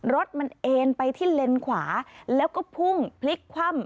รถมันเอ็นไปที่เลนขวาแล้วก็พุ่งพลิกคว่ำ